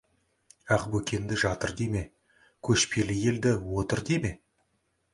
Ақбөкенді жатыр деме, көшпелі елді отыр деме.